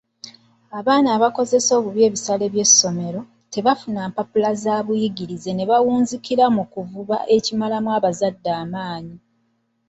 Abaana abakozesa obubi ebisale by'essomero, tebafuna mpapula za buyigirize ne bawunzikira mu kuvuba ekimalamu abazadde amaanyi.